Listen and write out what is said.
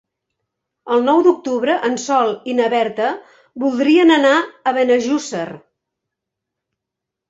El nou d'octubre en Sol i na Berta voldrien anar a Benejússer.